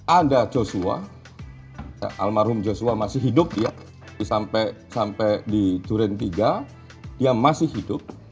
ada joshua almarhum joshua masih hidup dia sampai di duren tiga dia masih hidup